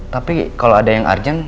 tapi kalau ada yang urgent